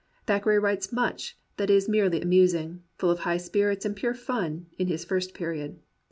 Thackeray writes much that is merely amusing, full of high spirits and pure fun, in his first period.